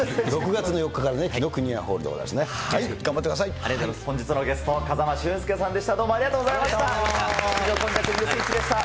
６月の４日から紀伊國屋ホールでございますね。